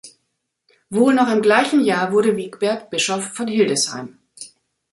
Wohl noch im gleichen Jahr wurde Wigbert Bischof von Hildesheim.